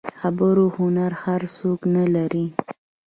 د خبرو هنر هر څوک نه لري.